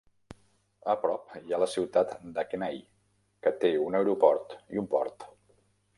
A prop hi ha la ciutat de Kenai que té un aeroport i un port.